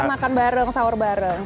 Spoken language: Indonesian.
makan bareng sahur bareng